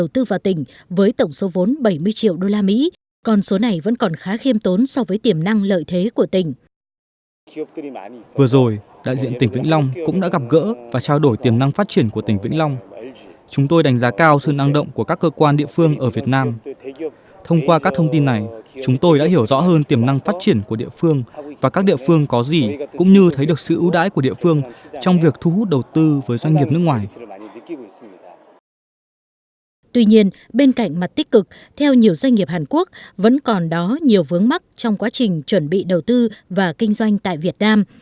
tuy nhiên bên cạnh mặt tích cực theo nhiều doanh nghiệp hàn quốc vẫn còn đó nhiều vướng mắc trong quá trình chuẩn bị đầu tư và kinh doanh tại việt nam